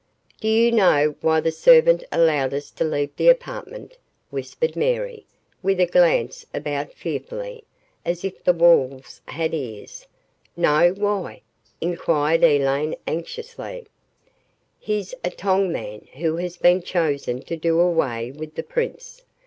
"Do you know why the servant allowed us to leave the apartment?" whispered Mary with a glance about fearfully, as if the walls had ears. "No why?" inquired Elaine anxiously. "He's a tong man who has been chosen to do away with the Prince.